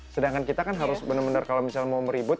sedangkan kita kan harus benar benar kalau misalnya mau meribut